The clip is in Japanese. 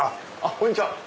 こんにちは。